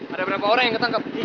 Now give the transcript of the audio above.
ada berapa orang yang ketangkep